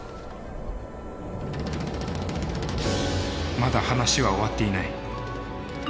まだ話は終わっていない。